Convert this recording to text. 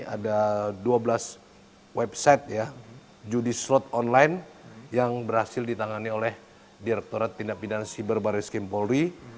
ada dua belas website ya judi slot online yang berhasil ditangani oleh direkturat tindak pindahan siber baris krim polri